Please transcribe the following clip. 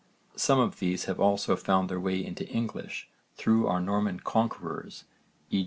Some of these have also found their way into English through our Norman conquerors, e.